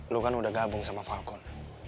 lu kan udah gabung sama falcon